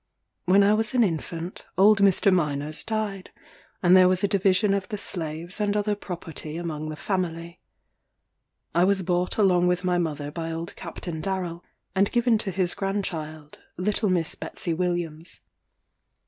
When I was an infant, old Mr. Myners died, and there was a division of the slaves and other property among the family. I was bought along with my mother by old Captain Darrel, and given to his grandchild, little Miss Betsey Williams.